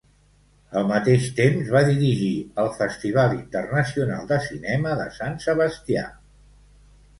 Al mateix temps, va dirigir el Festival Internacional de Cinema de Sant Sebastià.